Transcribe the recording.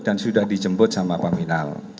dan sudah dijemput sama pak minal